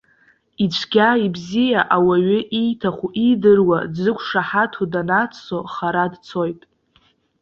Ицәгьа, ибзиа, ауаҩы ииҭаху, иидыруа, дзықәшаҳаҭу данаццо хара дцоит.